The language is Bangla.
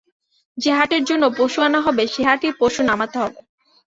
যে হাটের জন্য পশু আনা হবে, সে হাটেই পশু নামাতে হবে।